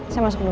saya masuk dulu